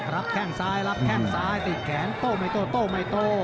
ลับแข้งซ้ายติดแขนโต้ไม่โต้โต้ไม่โต้